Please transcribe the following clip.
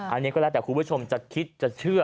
อันนี้ก็แล้วแต่คุณผู้ชมจะคิดจะเชื่อ